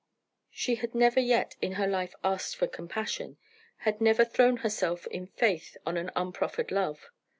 She had never yet in her life asked for compassion had never thrown herself in faith on an unproffered love.